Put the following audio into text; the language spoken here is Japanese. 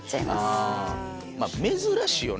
珍しいよね。